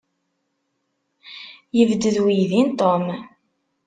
Yebded uydi n Tom.